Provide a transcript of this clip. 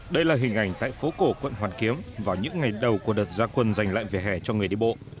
đây là hình ảnh tại phố cổ quận hoàn kiếm vào những ngày đầu của đợt ra quân dành lại về hè cho người đi bộ